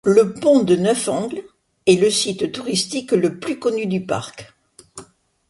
Le Pont de neuf angles est le site touristique le plus connu du parc.